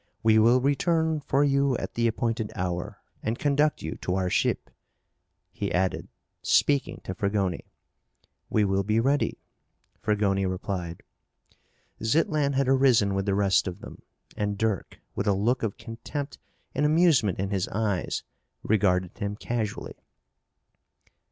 "We will return for you at the appointed hour and conduct you to our ship," he added, speaking to Fragoni. "We will be ready," Fragoni replied. Zitlan had arisen with the rest of them and Dirk, with a look of contempt and amusement in his eyes, regarded him casually.